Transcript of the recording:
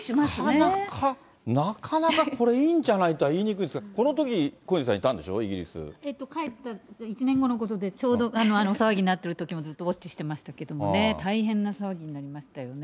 なかなか、なかなかこれ、いいんじゃないとは言いにくいですが、このとき、小西さん、いたんでしょ、ちょうど、騒ぎになっているときも、ずっとウォッチしていましたけど、大変な騒ぎになりましたよね。